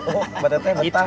oh oh mbak dete betah